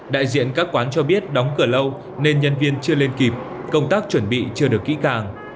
đại diện các quán cho biết đóng cửa lâu nên nhân viên chưa lên kịp công tác chuẩn bị chưa được kỹ càng